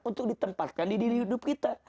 untuk ditempatkan di diri hidup kita